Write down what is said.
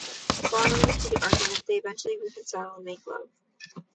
Following a heated argument, they eventually reconcile and make love.